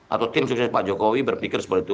atau tim sukses pak jokowi berpikir seperti itu